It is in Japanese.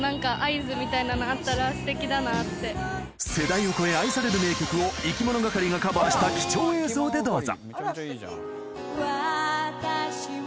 世代を超え愛される名曲をいきものがかりがカバーした貴重映像でどうぞ